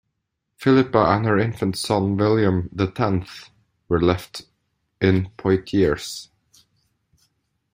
Philippa and her infant son William the Tenth were left in Poitiers.